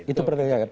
itu berarti mendagri